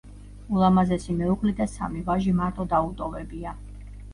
ულამაზესი მეუღლე და სამი ვაჟი მარტო დაუტოვებია.